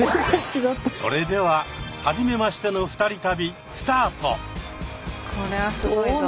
それでははじめましての２人旅スタート！